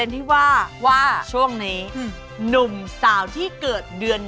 แถบมาอีกด้วย